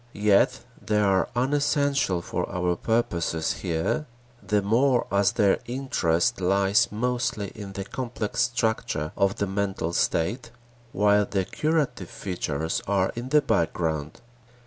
Yet they are unessential for our purposes here, the more as their interest lies mostly in the complex structure of the mental state while the curative features are in the background.